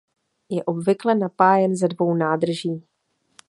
Je obvykle napájen ze dvou nádrží.